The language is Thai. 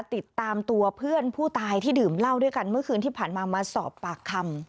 ติดตามตัวเพื่อนผู้ตายที่ดื่มเหล้าด้วยกันเมื่อคืนที่ผ่านมามาสอบปากคำ